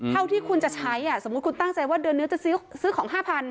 เท่าที่คุณจะใช้สมมุติคุณตั้งใจว่าเดือนนี้จะซื้อของ๕๐๐